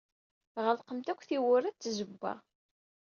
Ɣelqemt akk tiwwura ed tzewwa.